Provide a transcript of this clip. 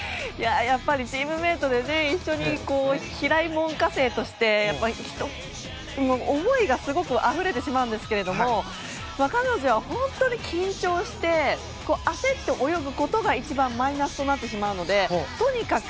やっぱり、チームメートで一緒に平井門下生として思いがすごくあふれてしまうんですけども彼女は緊張して焦って泳ぐことが一番マイナスとなってしまうのでとにかく